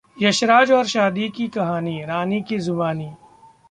यशराज और शादी की कहानी, रानी की जुबानी